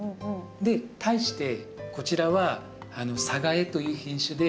で対してこちらはサガエという品種で。